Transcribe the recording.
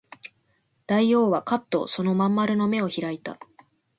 大王はかっとその真ん丸の眼を開いた